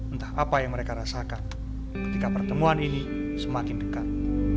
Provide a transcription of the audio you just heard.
entah apa yang mereka rasakan ketika pertemuan ini semakin dekat